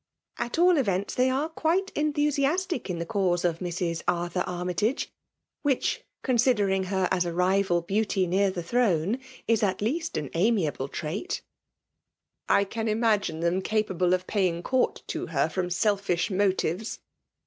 At all events, they are quite enthusiastic in the cause of Mrs. Arthur Armyiage, — which, considering her as a rival beauty near the throne, is at least an amiable tnrit." ^ I can imagine them capable of paying court to her from selfish motives.